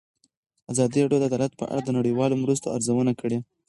ازادي راډیو د عدالت په اړه د نړیوالو مرستو ارزونه کړې.